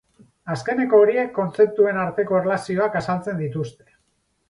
Azkeneko horiek kontzeptuen arteko erlazioak azaltzen dituzte.